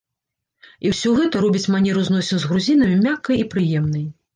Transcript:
І ўсё гэта робіць манеру зносін з грузінамі мяккай і прыемнай.